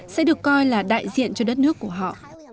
sẽ thiện cho đất nước của họ